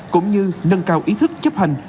cũng như nâng cao ý thức chấp hành